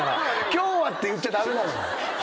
「今日は」って言っちゃ駄目なのよ。